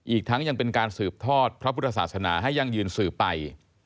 อีกทั้งยังเป็นการสืบทอดพระพุทธศาสนาให้ยั่งยืนสืบไป